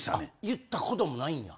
言ったこともないんや。